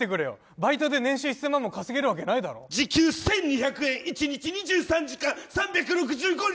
バイトで年収１０００万も稼げるわけないだろ時給１２００円一日２３時間３６５日